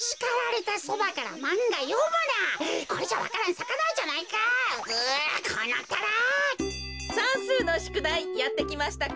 さんすうのしゅくだいやってきましたか？